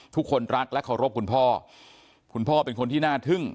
ทุกคนรักและเคารพคุณพ่อคุณพ่อเป็นคนที่น่าทึ่ง